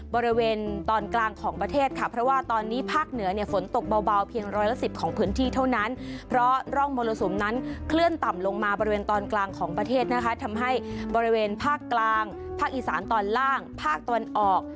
บริเวณภาคกลางภาคอีสานตอนล่างภาคตะวันออก